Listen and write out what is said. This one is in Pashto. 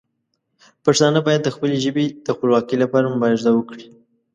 پښتانه باید د خپلې ژبې د خپلواکۍ لپاره مبارزه وکړي.